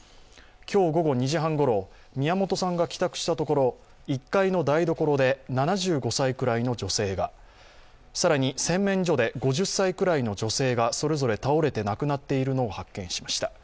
今日午後２時半ごろ、宮本さんが帰宅したところ１階の台所で７５歳くらいの女性が、更に洗面所で５０歳くらいの女性がそれぞれ倒れて亡くなっているのを発見しました。